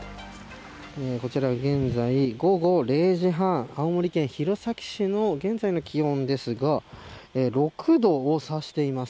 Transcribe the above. こちら現在午後０時半青森県弘前市の現在の気温ですが６度を指しています。